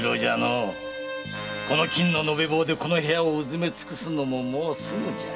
この金の延べ棒でこの部屋を埋めつくすのももうすぐじゃ。